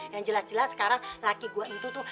yang jelas jelas sekarang laki gue itu tuh